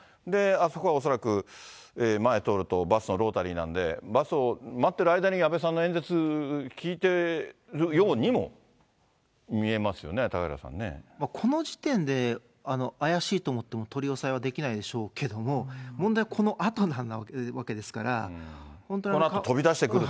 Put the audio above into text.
あそこは恐らく、前通るとバスのロータリーなんで、バスを待っている間に、安倍さんの演説聞いてるようにも見えますよね、この時点で怪しいと思っても、取り押さえはできないでしょうけども、このあと飛び出してくる。